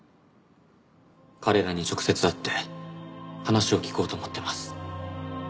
彼らに直接会って話を聞こうと思っています。